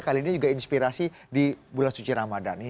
kali ini juga inspirasi di bulan suci ramadan